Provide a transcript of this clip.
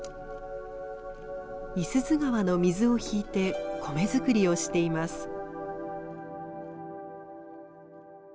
五十鈴川の水を引いて米作りをしています。